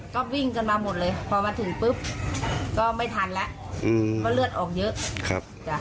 ก็เลือดออกเยอะ